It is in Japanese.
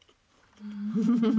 ウフフフ。